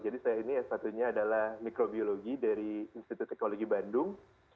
jadi saya ini s satu nya adalah microbiologi dari institut teknologi bandung